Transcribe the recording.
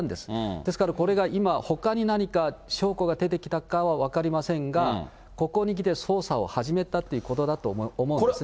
ですから、これが今、ほかに何か証拠が出てきたかは分かりませんが、ここに来て捜査を始めたと思うんですよね。